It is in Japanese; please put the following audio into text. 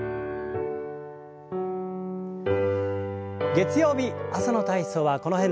月曜日朝の体操はこの辺で。